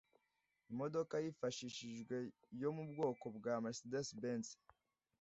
Imodoka yifashishijwe yo mu bwoko bwa Mercedens Benz